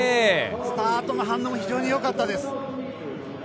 スタートの反応も非常に良かったです。